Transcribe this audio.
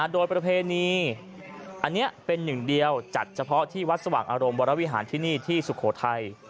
โดยประเพณีอันนี้เป็นหนึ่งเดียวจัดเฉพาะที่วัดสว่างอารมณ์วรวิหารที่นี่ที่สุโขทัย